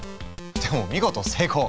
でも見事成功！